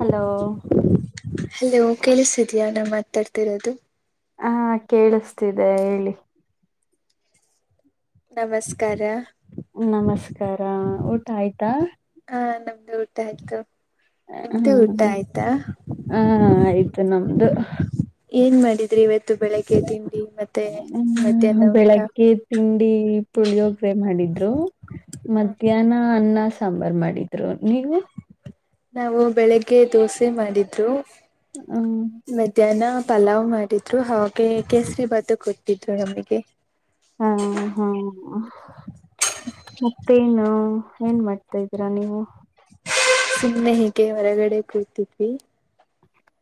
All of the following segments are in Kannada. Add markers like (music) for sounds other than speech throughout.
ಹಲೋ ಅಲೋ ಕೇಳಸಿತದ್ಯಾ ನಾ ಮಾತಾಡ್ತಿರೋದು ಹಾ ಕೇಳಿಸ್ತಿದೆ ಹೇಳಿ ನಮಸ್ಕಾರ ನಮಸ್ಕಾರ ಊಟ ಆಯ್ತಾ ಹಾ ನಮ್ದು ಊಟ ಆಯ್ತು ನಿಮ್ದು ಹ್ಮ್ ಊಟ ಆಯ್ತಾ ಹ ಆಯ್ತು ನಮ್ದು ಏನ್ ಮಾಡಿದ್ರಿ ಇವತ್ತು ಬೆಳಿಗ್ಗೆ ತಿಂಡಿ ಮತ್ತೆ ಮಧ್ಯಾಹ್ನ ಊಟ ಬೆಳಗ್ಗೆ ತಿಂಡಿ ಪುಳಿಯೋಗ್ರೆ ಮಾಡಿದ್ರು ಮಧ್ಯಾಹ್ನ ಅನ್ನ ಸಾಂಬರ ಮಾಡಿದ್ರು ನೀವು ನಾವು ಬೆಳಿಗ್ಗೆ ದೋಸೆ ಮಾಡಿದ್ರು ಹ್ಮ್ ಮಧ್ಯಾಹ್ನ ಪಲಾವ್ ಮಾಡಿದ್ರು ಹಾಗೆ ಕೇಸರಿ ಬಾತು ಕೂ ಹಾ ಹಾ ಮತ್ತೇನು ಹ್ಮ ಏನ್ ಮಾಡ್ತಾ ಇದೀರಾ ನೀವು ಸುಮ್ಮನೆ ಹೀಗೆ ಹೊರಗಡೆ ಕೂತಿದ್ವಿ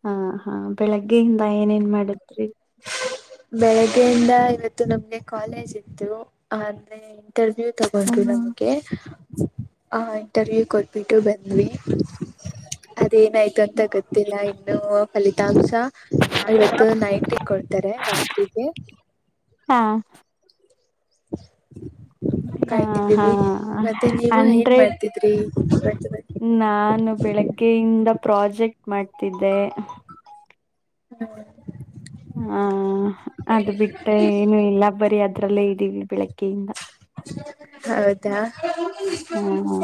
ಹ ಹಾ ಬೆಳಗ್ಗೆಯಿಂದ ಏನೇನ್ ಮಾಡಿದ್ರಿ ಬೆಳಗ್ಗೆಯಿಂದ ಇವತ್ತು ನಮ್ಗೆ ಕಾಲೇಜ್ ಇತ್ತು ಆದೆ ಟರ್ನೂ ತಗೊಂಡು ಹ್ಮ ನಮಗೆ ಹ ಇಂಟರ್ವ್ಯೂ ಕೊಟ್ಬಿಟ್ಟು ಬಂದ್ವಿ ಏನಾಯ್ತು ಅಂತ ಗೊತ್ತಿಲ್ಲ ಇನ್ನು ಫಲಿತಾಂಶ ಇವತ್ತು ನೈಟ ಕೊಡ್ತಾರೆ ರಾತ್ರಿಗೆ ಹಾ ಹಾ ಹಾ ಕಾಯ್ತಿದ್ದಿವಿ ಮತ್ತೆ ನೀವು ಏನ್ ಹಂಡ್ರೆಡ್ ಮಾಡ್ತಿದ್ರಿ ನಾನು ಬೆಳಗ್ಗೆಯಿಂದ ಪ್ರಾಜೆಕ್ಟ್ ಮಾಡ್ತಿದ್ದೆ ಹ್ಮ ಹ ಅದು ಬಿಟ್ಟ ಏನು ಇಲ್ಲ ಬರಿೀ ಅದ್ರಲ್ಲೇ ಇದ್ದೀವಿ ಬೆಳಕಯಿಂದ ಹೌದಾ ಹ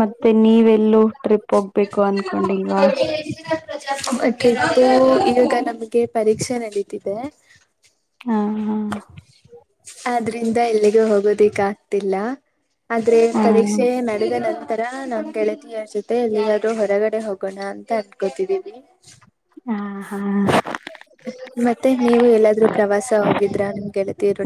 ಮತ್ತೆ ನೀವೆಲ್ಲೂ ಟ್ರಿಪ್ ಹೋಗ್ಬೇಕು ಅನ್ಕೊಂಡಿಲ್ವಾ ಮ ಈವಾಗ ನಮಗೆ ಪರೀಕ್ಷೆ ನಡೀತಿದೆ ಹಾ ಹಾ ಇಂದ ಎಲ್ಲಿಗೂ ಹೋಗೋದಿಕ್ ಆಗ್ತಿಲ್ಲ ಆದ್ರೆ ಹಾ ಪರೀಕ್ಷೆ ನಡೆದ ನಂತರ ನಾ ಕೆಳತಿಯ ಜೊತೆ ಎಲ್ಲರೂ ಹೊರಗಡೆ ಹೋಗೋಣ ಅಂತ ಅನ್ಕೋತಿದೀವಿ ಹಾ ಹಾ ಮತ್ತೆ ನೀವು ಎಲ್ಲಾದ್ರೂ ಪ್ರವಾಸ ಹೋಗಿದ್ರ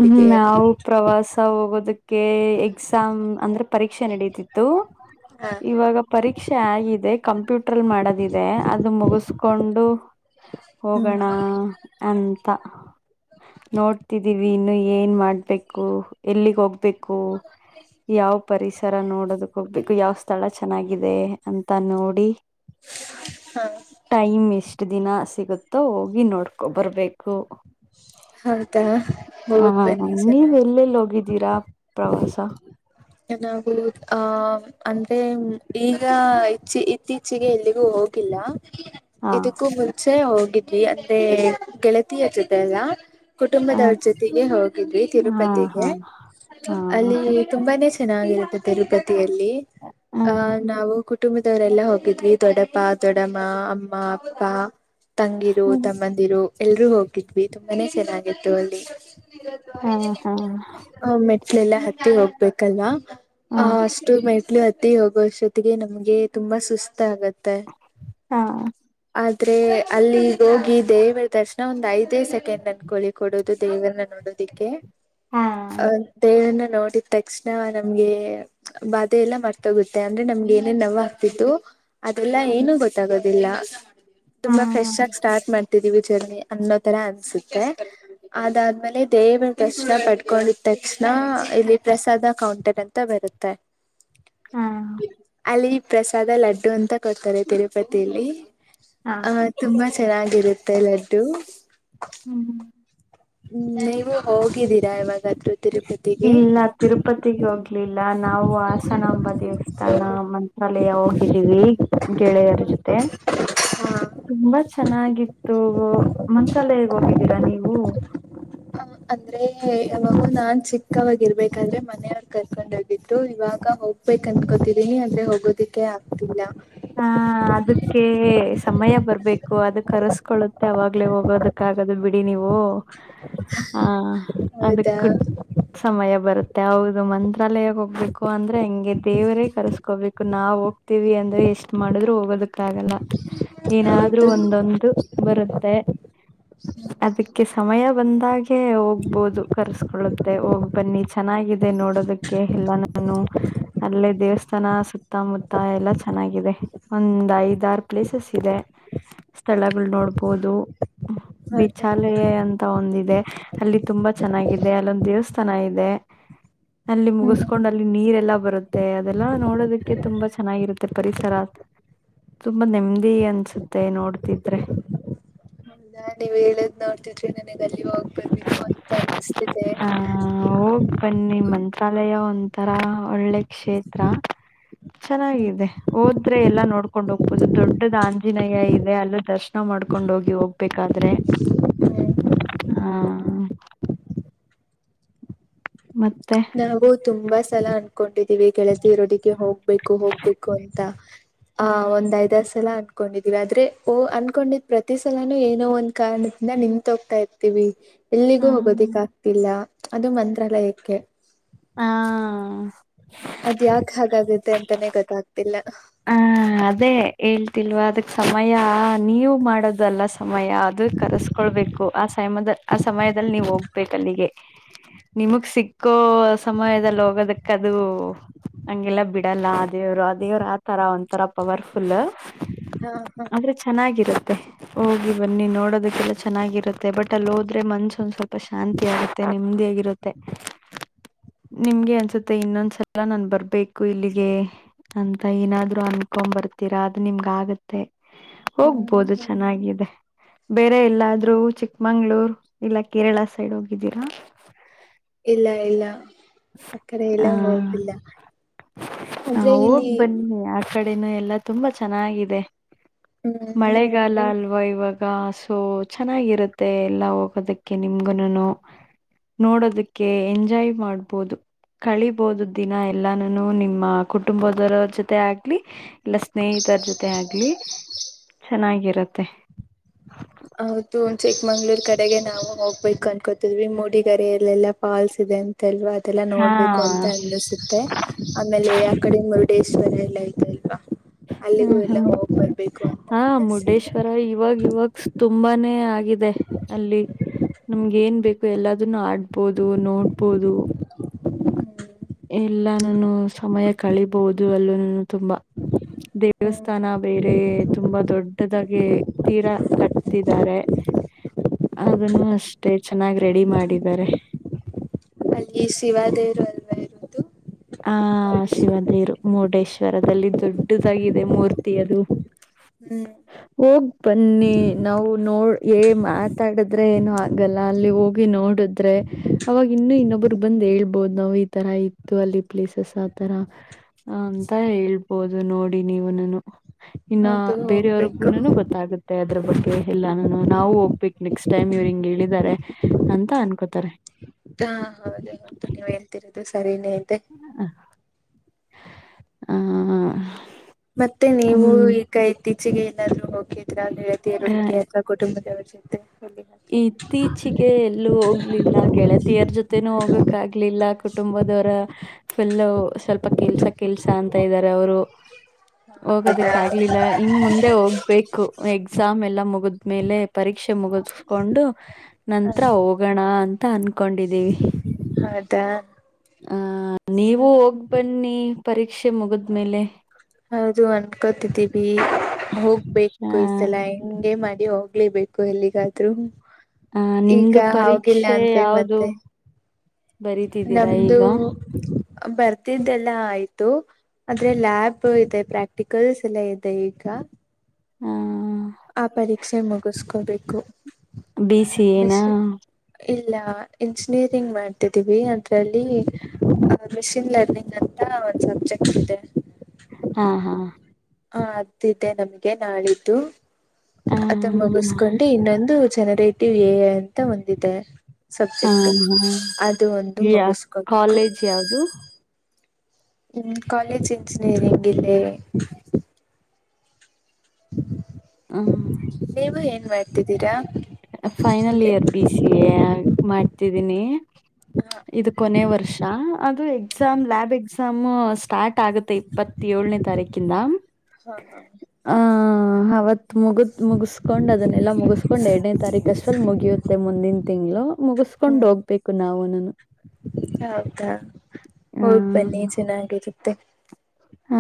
ಹ್ಮ್ ನಾವು ಪ್ರವಾಸ ಹೋಗೋದಕ್ಕೆ ಎಕ್ಸಾಮ್ ಅಂದ್ರೆ ಪರೀಕ್ಷೆ ನಡೀತಿತ್ತು (inaudible) ಇವಾಗ ಪರೀಕ್ಷೆ ಆಗಿದೆ ಕಂಪ್ಯೂಟರ್ಲ್ ಮಾಡದಿದೆ ಅದು ಮುಗಸ್ಕೊಂಡು ಹ್ಮ್ ಹೋಗೋಣ ಅಂತ ನೋಡ್ತಿದ್ದೀಿ ಇನ್ನು ಏನ್ ಮಾಡ್ಬೇಕು ಎಲ್ಲಿಗ್ ಹೋಗ್ಬೇಕು ಯಾವ ಪರಿಸರ ನೋಡೋದಕ್ ಹೋಗ್ಬೇಕು ಯಾವ ಸ್ಥಳ ಚೆನ್ನಾಗಿದೆ ಅಂತ ನೋಡಿ ಹಾ ಟೈಮ್ ಎಷ್ಟ ಎಷ್ಟ ದಿನ ಸಿಗುತ್ತೋ ಹೋಗಿ ನೋಡ್ಕೊ ಬರ್ಬೇಕು ಹೌದಾ ಹೋಗ್ ಹಾ ಬನ್ನಿ ನೀವ್ ಚೆನ್ನಾಗಿರುತ್ತೆ. ಎಲ್ಲೆಲ್ಲಿ ಹೋಗಿದ್ದೀರಾ ಪ್ರವಾಸ ನಾವು ಆಹ ಅಂದ್ರೆ ಈಗ ಇ ಇತ್ತೀಚೆಗೆ ಎಲ್ಲಿಗೂ ಹೋಗಿಲ್ಲ ಹಾ ಇದಕ್ಕೂ ಮುಂಚೆ ಹೋಗಿದ್ವಿ ಅಂದೆ ಗೆಳತಿಯ ಜೊತೆ ಅಲ್ಲ ಹಾ ಕುಟುಂಬದವ್ರ ಜೊತೆಗೇ ಹೋಗಿದ್ವಿ ಹಾ ಹಾ ತಿರುಪತಿಗೆ ಅಲ್ಲಿ ಹಾ ತುಂಬಾನೇ ಚೆನ್ನಾಗಿರುತ್ತೆ ತಿರುಪತಿಯಲ್ಲಿ ಅಹ ನಾವು ಕುಟುಂಬದವರೆಲ್ಲಾ ಹೋಗಿದ್ವಿ ದೊಡ್ಡಪ ದೊಡ್ಡಮ್ಮ ಅಮ್ಮ ಅಪ್ಪ ತಂಗಿರು ತಮ್ಮಂದಿರು ಎಲ್ರೂ ಹೋಗಿದ್ವಿ ತುಂಬಾನೇ ಚೆನ್ನಾಗಿತ್ತು ಅಲ್ಲಿ ಹಾ ಹಾ ಹಾ ಒಮ್ಮೆ ಅಲೆಲ್ಲಾ ಹತ್ತಿ ಹೋಗ್ಬೇಕಲ್ವಾ ಆ ಅಷ್ಟುರ್ ಮೈ ಮೆಟ್ಲು ಅತ್ತಿ ಹೋಗುವಷ್ಟೊತ್ತಿಗೆ ನಮ್ಗೆ ತುಂಬಾ ಸುಸ್ತ ಆಗತ್ತೆ ಹಾ ಹಾ ್ರೆ ಅಲ್ಲಿ ಹೋಗಿ ದೇವರ ದರ್ಶನ ಒಂದು ಐದೇ ಸೆಕೆಂಡ್ ನನ್ ಕಳಿ ಕೊಡೋುದು ದೇವನ್ನ ನೋಡೋದಿಕ್ಕೆ ಹಾ ಹಾ ದೇವನ್ನ ನೋಡಿದ ತಕ್ಷಣ ನಮ್ಗೆ ಬಾಧೆ ಎಲ್ಲಾ ಮಾಡ್ತೋಗುತ್ತೆ ಅಂದ್ರೆ ನಮ್ಗೆ ಏನೇನ್ ನವ್ ಆಗ್ತಿತ್ತು ಅದೆಲ್ಲಾ ಏನು ಗೊತ್ತಾಗೋದಿಲ್ಲ ಹಾ ತುಂಬಾ ಫ್ರೆಶ್ ಆಗ ಸ್ಟಾರ್ಟ್ ಮಾಡ್ತ ಹಟ್ಟಿದೀವಿ ಜರ್ನಿ ಅನ್ನೋ ತರ ಅನ್ಸುತ್ತೆ ಅದಾದ್ಮೇಲೆ ದೇವರ ತಕ್ಷಣ ಪಡ್ಕೊಂಡಿದ ತಕ್ಷಣ ಇಲ್ಲಿ ಪ್ರಸಾದ ಕೌಂಟರ್ ಅಂತ ಬ ಇರುತ್ತೆ ಹಾ ಅಲ್ಲಿ ಪ್ರಸಾದ ಲಡ್ಡು ಅಂತ ಕೊಡ್ತಾರೆ ತಿರುಪತಿಯಲ್ಲಿ ಹಾ ಅಹ ತುಂಬಾ ಚ ಚೆನ್ನಾಗಿರುತ್ತೆ ಲಡ್ಡು ಹ್ಮ್ ಹ್ಮ ನೀವು ಹೋಗಿದ್ದೀರಾ ಮತ್ತೆ ತಿರುಪತಿ ಇಲ್ಲ ತಿರುಪತಿಗೆ ಹೋಗ್ಲಿಲ್ಲ ನಾವು ಹಾಸನಾಂಬ ದೇವಸ್ಥಾನ ಮಂತ್ರಾಲಯ ಹೋಗಿದ್ದೀವಿ ಗೆಳೆಯರ ಜೊತೆ. ಹ (inaudible) ತುಂಬಾ ಚೆನ್ನಾಗಿತ್ತು ಮಂತ್ರಾಲಗ್ ಹೋಗಿದ್ದೀರಾ ನೀವು ಹೌ ಅಂದ್ರೆ ಅವವಾಗ ನಾನ್ ಚಿಕ್ಕವವಾಗಿ ಇರ್ಬೇಕಂದ್ರೆ ಮನೆಯವ್ರ ಕರ್ಕೊಂಡೋಗಿತ್ತು ಇವಾಗ ಹೋಗ್ ಪೈಕ್ ಕನ್ತ್ಕೋತರಿ ಅಂದ್ರೆ ಹೋಗೋದಿಕ್ಕೆ ಆಗ್ತಿಲ್ಲ ಹ ಅದಕ್ಕೆ ಸಮಯ ಬರ್ಬೇಕು ಅದ ಕರೆಸ್ಕೊಳ್ಳುತ್ತೆ ಅವಾಗ್ಲೇ ಹೋಗೋದಕ್ಕಗದು ಬಿಡಿ ನೀವು ಓ ಹ ಅದ ಹೌದಾ ಸಮಯ ಬರುತ್ತೆ ಹೌದು ಮ ಮಾಂತ್ರಾಲಯ ಹೋಗ್ಬೇಕು ಅಂದ್ರೆ ಹಂಗೆ ದೇವರೇ ಕರ್ಸ್ಕೋಬೇಕು ನಾವು ಹೋಗ್ತೀವಿ ಅಂದ್ರೆ ಎಷ್ಟ ಮಾಡಿದ್ರು ಹೋಗೋದಕ್ಕ ಆಾಗಲ್ಲ ಏನಾದ್ರರು ಹೌದು ಒಂದೊಂದು ಬರುತ್ತೆ ಅದಕ್ಕೆ ಸಮಯ ಬಂದಾಗ ಹೋಗ್ಬೋದು ಕರ್ಸ್ಕೊಳ್ಳುತ್ತೆ ಹೋಗ್ ಬನ್ನಿ ಚೆನ್ನಾಗಿದೆ ನೋಡೋದಕ್ಕೆ ಎಲ್ಲ ನಾನು. ಅಲ್ಲಿ ದೇವಸ್ಥಾನ ಸುತ್ತಮುತ್ತ ಎಲ್ಲ ಚೆನ್ನಾಗಿದೆ. ಒಂದ್ ಐದಾರ ಪ್ಲೇಸಸ್ ಇದೆ ಸ್ಥಳಗಳು ನೋಡ್ಬೋದು. ಹೌದಾ ಬಿಚಾಲ ಅಂತ ಒಂದಿದೆ. ಅಲ್ಲಿ ತುಂಬಾ ಚೆನ್ನಾಗಿದೆ ಅಲ್ಲೊಂದು ದೇವಸ್ಥಾನ ಇದೆ. ಅಲ್ಲಿ ಹ್ಮ್ ಮುಗಸ್ಕೊಂಡ್ ಅಲ್ಲಿ ನೀರೆಲ್ಲಾ ಬರುತ್ತೆ ಅದೆಲ್ಲಾ ನೋಡೋದಕ್ಕೆ ತುಂಬಾ ಚೆನ್ನಾಗಿರುತ್ತೆ ಪರಿಸರ. ತುಂಬಾ ನೆಮ್ಮದಿ ಅನ್ಸುತ್ತೆ ನೋಡ್ತಿದ್ರೆ. ನಾನ್ ನೀವ್ ಹೇಳದ್ ನೋಡ್ತಿದ್ರಿ ನನಗ್ ಅಲ್ಲಿಯ ಹೋಗ್ಬರ್ಬೇಕು ಅಂತ ಅನ್ನಿಸ್ತಿದೆ. ಹ ಹೋಗ್ ಬನ್ನಿ ಮಂತ್ರಾಲಯ ಒಂದು. ತರ ಒಳ್ಳೆ ಕ್ಷೇತ್ರ ಹ್ಮ್ ಚೆನ್ನಾಗಿದೆ ಹೋದ್ರೆ ಎಲ್ಲಾ ನೋಡ್. ಕಕೊಂಡ್ ಹೋಗ್ಬಹುದು ದೊಡ್ಡದು ಆಂಜನೇಯ ಇದೆ ಅಲ್ಲ ದರ್ಶನ ಮಾಡ್ಕೊಂಡ್ ಹೋಗಿ. ಬೇಕಾದ್ರೆ ಹ್ಮ್ (inaudible) ಹಾ. ಮತ್ ನಾವು ತುಂಬಾ ಸಲ ಅನ್ಕೊಂಡಿದೀವಿ ಕೆಳತಿ ಇರೋದಿಗೆ ಹೋಗ್. ಹೋಗ್ಬೇಕು ಹೋಗ್ಬೇಕು ಅಂತ ಆ ಹಾ ಒಂದ್ ಐದ. ಸಲ ಅನ್ಕೊಂಡಿದೀವಿ ಆದ್ರೆ ಓ ಅನ್ಕೊಂಡಿದ್ ಪ್ರತಿ ಸಲಾನೂ ಏನೋ ಒಂದ್ ಕಾರಣದಿಂದ ನಿಂತತ್ ಹೋಗ್ತಾ ಇರ್ತೀವಿ. ಎಲ್ಲಿಗೂ ಹಾ ಹೋಗೋದಿಕ್ ಆಗ್ತಿಲ್ಲ ಅದು ಮಂತ್ರಾಲಯಕ್ಕೆ. ಹಾ ಅದ್ ಯಾಕ ಹಾಗಾಗತ್ತೆ ಅಂತಾನೆ ಗೊತ್ತಾಗ್ತಿಲ್ಲ. ಹ ಅದೇ ಹೇಳ್ತಿಲ್ವಾ ಅದಕ್ ಸಮಯ ನೀವು ಮಾಡೋದಲ್ಲ. ಸಮಯ ಅದು ಕರೆಸ್ಕೊಳ್ಬೇಕು ಆ ಸಮಯದ ಆ ಸಮಯದಲ್ಲಿ ನೀವು ಹೋಗ್ಬೇಕು ಅಲ್ಲಿಗೆ. ನಿಮಗ್ ಸಿಕ್ಕೋ ಸಮಯದಲ್ಲಿ ಹೋಗದಕ್ಕದು. ಹಂಗೆಲ್ಲಾ ಬಿಡಲ್ಲ ಅ ದೇವ್ರು ಆ ದೇವ್ರು ಆತರ ಒಂತರ. ಪವರ್ಫುಲ್ ಹಾ ಹಾ ಆದ್ರೆ ಚೆನ್ನಾಗಿರುತ್ತೆ. ಹೋಗಿ ಬನ್ನಿ ನೋಡೋದಕ್ಕೆಲ್ಲ ಚೆನ್ನಾಗಿರುತ್ತೆ ಬಟ್ ಅಲ್ಲಿ ಹೋದ್ರೆ ಮನ್ಸ ಒಂದ ಸ್ವಲ್ಪ ಶಾಂತಿ ಆಗುತ್ತೆ. ನೆಮ್ಮದಿಯಾಗಿರುತ್ತೆ. ನಿಮ್ಗೆ ಅನ್ಸುತ್ತೆ ಇನ್ನೊಂದ್ಸಲ ನನ್ ಬರ್ಬೇಕು ಇಲ್ಲಿಗೆ. ಅಂತ ಏನಾದ್ರು ಅನ್. ಕಕೊ ಬರ್ತೀರಾ ಅದು ನಿಮ್ಗ ಆಗತ್ತೆ ಹ್ಮ್ ಹೋಗ್ಬೋದು ಚೆನ್ನಾಗಿದೆ. ಬೇರೆ ಎಲ್ಲಾದ್ರೂ ಚಿಕ್ಮಂಗ್ಳೂರ್ ಇಲ್ಲ ಕೇರಳ ಸೈಡ್ ಹೋಗಿದ್ದೀರಾ. ಇಲ್ಲ ಇಲ್ಲ. ಆ ಕಡೆ ಹ ಎಲ್ಲ ಹೋಗಿಲ್ಲ ಹ ಆದ್ರೆ ಹೋಗ್ ಇಲ್ಲಿ. ಬನ್ನಿ ಆ ಕಡೆನೂ ಎಲ್ಲಾ ತುಂಬಾ ಚೆನ್ನಾಗಿದೆ ಹ್ಮ್ ಮಳೆಗಾಲ ಅಲ್ವಾ. ವ ಇವಾಗ ಸೊ ಚೆನ್ನಾಗಿರುತ್ತೆ ಎಲ್ಲಾ ಹೋಗೋದಕ್ಕೆ ನಿಮ್ಗುನು. ನೋಡದಕ್ಕೆ ಎಂಜಾಯ್ ಮಾಡ. ಬಹದು ಕಳಿಬಹದು ದಿನ ಎಲ್ಲಾನ ನಿಮ್ಮ ಕುಟುಂಬದವರ ಜೊತೆ ಆಗ್ಲಿ. ಎಲ್ಲ ಸ್ನೇಹಿತರ ಜೊತೆ ಆಗ್ಲಿ ಚೆನ್ನಾಗಿರತ್ತೆ. ಹೌದು ಚಿಕ್ಕಮಂಗ್ಳೂರ್ ಕಡೆಗೆ ನಾವು ಹೋಗ್ಬೇಕು ಅನ್ಕೋತಿದ್ವಿ ಮೂಡಿಗರೆಯಲ್ಲೆಲ್ಲಾ ಫಾಲ್ಸ್ ಇದವಿ. ಧ್ಯೇತಲ್ವ. ಲ್ಲ ಹಾ ನೋಡ್ಬೇಕು ಅಂತ ಅನ್ನಿಸುತ್ತೆ ಆಮೇಲೆ ಆ ಮುರುಡೇಶ್ವರ ಎಲ್ಲ ಇಐತ ಅಲ್ವಾ. ಹ್ಮ ಅಲ್ಲಿಗೂ ಎಲ್ಲ ಹ್ಮ್ ಹೋಗ್ ಬರ್ಬೇಕು ಅಂತ ಹ ಅನ್ನಿಸ್ತಿದೆ ಮುಡೇಶ್ವರ ಇವಾಗ ಇವಾಗ. ತುಂಬಾನೇ ಆಗಿದೆ ಅಲ್ಲಿ ನಮ್ಗೆ ಏನ್ ಬೇಕು. ಎಲ್ಲಾದನ್ನು ಆಡ್ಬೋದು ನೋಡ್ಬೋದು. ಎಲ್ಲ ನಾನು ಸಮಯ ಕಳಿಬಹುದು ಅಲ್ಲೂ ನಾನ ತುಂಬಾ. ಹ್ಮ್ ಹ್ಮ್ ದೇವಸ್ಥಾನ ಬೇರೆ ತುಂಬಾ ದೊಡ್ಡದಾಗಿ ತೀರಾ ಕಟ್ಟತಿದ್ದಾರೆ. ಅದನ್ನು ಅಷ್ಟೇ ಚೆನ್ನಾಗಿ ರೆಡಿ ಮಾಡಿದ್ದಾರೆ. ಅಲ್ಲಿ ಶಿವಾದೇವರು ಅಲ್ವಾ ಇರುವುದು. ಹಾ ಶಿವದೇರು. ಮುರುಡೇಶ್ವರದಲ್ಲಿ ದೊಡ್ಡದಾಗಿದೆ ಮೂರ್ತಿ ಅದು ಹ್ಮ್ ಹೋಗ್ ಬನ್ನಿ ನಾವು ನೋಡ್ ಏ ಮಾತಾಡಿದ್ರೆ ಏನು ಆಗಲ್ಲ ಅಲ್ಲಿ ಹೋಗಿ ನೋಡಿ ಡ್ರೆ ಅವಾಗ ಇನ್ನು ಇನ್ನೊಬ್ಬರು ಬಂದ್ ಹೇಳ್ಬೋ ನಾವು ಈ ತರ ಇತ್ತು ಅಲ್ಲಿ ಪ್ಲೇಸಸ್ ಆತರ ಅಂತ ಹೇಳ್ಬೋದು ನೋಡಿ ನೀವು ನಾನ ಇನ್ನ ಅದು ಹೋಗ್ಬೇಕು ಬೇರೆಯವ್ರಗುನು ಗೊತ್ತಾಗುತ್ತೆ ಅದ್ರ ಬಗ್ಗೆ ಎಲ್ಲಾನು ನಾವು ಹೋಗ್ಬೇಕ ನೆಕ್ಸ್ಟ್ ಟೈಮ್ ಇವ್ರು ಹಿಂಗ್ ಹೇಳಿದಿದ್ದಾರೆ ಅಂತ ಅನ್ಕೋತಾರೆ ಹಾ ಹೌದ ಹೊಂತ ನೀವ್ ಹೇಳ್ತಿರೋದು ಸರಿನೇ ಇದೆ ಹ ಮತ್ತೆ ನೀವು ಈಗ ಇತ್ತೀಚೆಗೆ ಎಲ್ಲಾರೂ ಹೋಗಿದ ರತಿ ಇರೋಡಕ್ಕೆಸ ಕುಟುಂಬದವರ ಜೊತೆ ಎಲ್ಲಿಗಾದ್ರೂ? ಇತ್ತೀಚಿಗೆ ಎಲ್ಲೂ ಹೋಗ್ಲಿಲ್ಲ ಗೆಳತಿಯರ್ ಜೊತೆನೂ ಹೋಗಕ್ ಆಗ್ಲಿಲ್ಲ ಕುಟುಂಬ ಅದವರ ಫುಲ್ ಪ ಕೆಲ್ಸ ಕೆಲ್ಸ ಅಂತ ಇದಾರೆ ಅವರು ಹೌದಾ ಹೋಗದಕ್ ಆಗ್ಲಿಲ್ಲ ಇನ್ ಮುಂದೆ ಹೋಗ್ಬೇಕು ಎಕ್ಸಾಮ್ ಎಲ್ಲಾ ಮುಗಿದ್ಮೇಲೆ ಪರೀಕ್ಷೆ ಪರೀಕ್ಷೆ ಮುಗಸ್ಕೊಂಡು ಹ ನಂತ್ರ ಹೋಗೋಣ ಅಂತ ಅನ್ ಹಕೊಂಡಿದ್ದೀವಿ ಹೌದಾ ಆಹ ನೀವು ಸರಿ ಹೋಗಿ ಬನ್ನಿ ಪರೀಕ್ಷೆ ಮುಗದ್ಮೇಲೆ ಕತಿದ್ದೀವಿ ಆ ಹೋಗ್ಬೇಕು ಈಸ ಎಲ ಹಂಗೆ ಮಾಡ ಹೋಗ್ಲೇಬೇಕು ಎಲ್ಲಿಗಾದ್ ಆ ಈಗ ನಿಮ್ದು ಹಿಲ್ಲ ಪರೀಕ್ಷೆ ಅಂತೆ ಯಾವ್ದು ಮತ್ತೆ ಬರಿತಿದ್ದೀರಾ ನಮ್ದು ಈಗ ಬರ್ತಿದ್ದೆಲ್ಲ ಆಯ್ತು ಆದ್ರೆ ಲ್ಯಾಬ್ ಇದೆ ಪ್ರಾಕ್ಟಿಕಲ್ಸ್ ಎಲ್ಲ ಇದೆ ಈಗ ಹ್ಮ ಆ ಪರೀಕ್ಷೆ ಮುಗುಸ್ಕೊಬೇಕು ಬೇಕು ಬಿ ಸಿ ಏನಾ ಆದ್ರೆ ಲ್ಯಾಬ್ ಇದೇ ಪ್ರಾಕ್ಟಿಕಲ್ಸ್ ಇದೆ ಈಗ ಆ ಮೆಷಿನ್ ಲರ್ನಿಂಗ್ ಅಂತ ಒಂದ್ ಸಬ್ಜೆಕ್ಟ್ ಇದೆ ಹಾ ಹಾ ಹಾ ಅದ್ದೆ ನಮ್ಗೆ ನಾಳಿದ್ದು ಆ ಅದು ಮುಗಿಸಕೊಂಡು ಇನ್ನೊಂದು ಜನರೇಟಿವ್ ಎ ಅಂತ ಒಂದಿದೆ ಹಾ ಸಬ್ಜೆಕ್ಟ್ ಅದು ಒಂದು ಮುಗಿಸ್ಕೋಬೇಕು ಹ ಹ್ಮ ಕಾಲೇಜ್ ಇಂಜಿನಿಯರಿಂಗ್ ಇಲ್ಲಿ ನೀವು ಏನ್ ಮಾಡ್ತಿದ್ದೀರಾ ಫೈನಲ್ ಅಂದ್ರೆ ಇಯರ್ ಬಿ ಸಿ ಎ ಮಾಡ್ತಿದೀನಿ ಹಾ ಇದು ಕೊನೆಯ ವರ್ಷ ಅದು exam lab exams start ಆಗುತ್ತೆ ಇಪ್ಪತ್ತಏನೇ ತಾರೀಕಿಂದ ಹಾ ಹಾ ಹ ಅವತ್ ಮುಗುತ್ ಮುಗಿಸ್ಕೊಂಡ್ ಅದನ್ನೆಲ್ಲ ಮುಗಿಸ್ಕೊಂಡ್ ಎರಡನೇ ತಾರೀಕ ಅಷ್ಟಲ್ಲಿ ಮುಗಿಯುತ್ತೆ ಮುಂದಿನ ತಿಂಗಳು ಮುಗಿಸಿಕೊಂಡು ಹ್ಮ್ ಹೋಗ್ಬೇಕು ನಾವುನು ಹೌದಾ ಹೋಗ್ ಬನ್ನಿ ಚೆನ್ನಾಗಿರುತ್ತೆ ಹ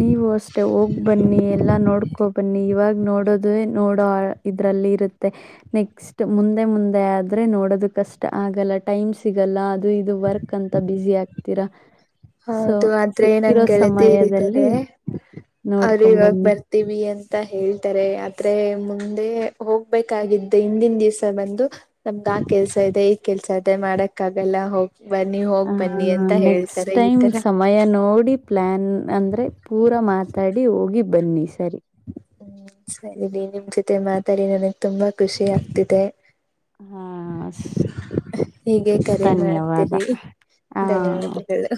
ನೀವು ಅಷ್ಟೇ ಹೋಗ್ ಬನ್ನಿ ಎಲ್ಲಾ ನೋಡ್ಕೊ ಬನ್ನಿ ಇವಾಗ ನೋಡೋದ ನೋಡೋ ಇದ್ರಲ್ಲಿ ಇರುತ್ತೆ ನೆಕ್ಸ್ಟ್ ಮುಂದೆ ಮುಂದೆ ಆದ್ರೆ ನೋಡೋದು ಕಷ್ಟ ಆಗಲ್ಲ ಟೈ್ ಸಿಗಲ್ಲ ಅದು ಇದು ವರ್ಕ್ ಅಂತ ಬಿಜಿ ಆಗ್ತರ ಹೌದು ಆದ್ರೆ ನನ್ ಗೆಳತಿ ಸಮಯದಲ್ಲಿ ಇರಿದ್ದಾರೆ ಅವರು ಇವಾಗ ನೋಡ್ಕೊಂಬನ್ನಿ ಬರ್ತೀವಿ ಅಂತ ಹೇಳ್ತಾರೆ ಆದೆ ಮುಂದೆ ಹೋಗ್ಬೇಕಾಗಿದ್ದೆ ಹಿಂದಿನ ದಿವ್ಸ ಬಂದು ನಮ್ದ ಆ ಕೆಲ್ಸ ಇದೆ ಈ ಕೆಲ್ಸ ಇದೆ ಮಾಡಕ್ಕಾಗಲ್ಲಾ ಹೋಗಿ ಬನ್ನಿ ಹೋಗ್ ಆ ಬನ್ನಿ ಅಂತ ನೆಕ್ಸ್ಟ್ ಹೇಳ್ತಾರೆ ಟೈಮ್ ತರ ಸಮಯ ನೋಡಿ ಪ್ಲಾನ್ ಅಂದ್ರೆ ಪೂರ ಮಾತಾಡಿ ಹೋಗಿ ಬನ್ನಿ ಸರಿ ಹ್ಮ್ ಸರಿನ ನಿಮ್ ಜೊತೆ ಮಾತಾಡಿ ನನಗ್ ತುಂಬಾ ಖುಷಿ ಆಗ್ತಿದೆ ಹಾ ಹೀಗೆ ಕರೆ ಧನ್ಯವಾದ. ಮಾಡ್ತೀರಿ ಹಾ. ಧನ್ಯವಾದಗಳು